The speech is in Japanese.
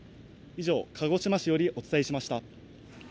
鹿児島市よりお伝えしました。